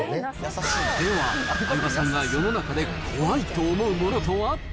では、相葉さんが世の中で怖いと思うものとは？